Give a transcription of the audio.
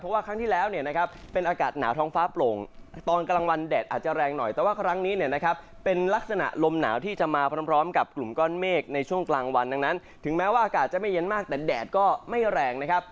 เพราะว่าครั้งที่แล้วเนี่ยนะครับเป็นอากาศหนาวท้องฟ้าโปร่งตอนกลางวันแดดอาจจะแรงหน่อยแต่ว่าครั้งนี้เนี่ยนะครับเป็นลักษณะลมหนาวที่จะมาพร้อมกับกลุ่มก้อนเมฆในช่วงกลางวันดังนั้นถึงแม้ว่าอากาศจะไม่เย็นมากแต่แดดก็ไม่แรงนะครับ